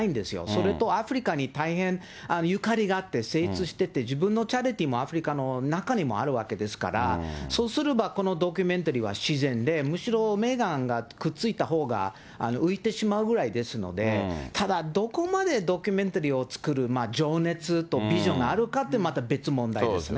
それと、アフリカに大変ゆかりがあって、精通してて、自分のチャリティーもアフリカの中にもあるわけですから、そうすれば、このドキュメンタリーは自然で、むしろメーガンがくっついたほうが浮いてしまうぐらいですので、ただ、どこまでドキュメンタリーを作る情熱とビジョンがあるかって、そうですよね。